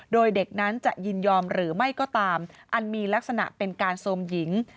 โดยเด็กนั้นจะยินยอมหรือไม่ก็ตามอันมีลักษณะเป็นการโทรมหญิง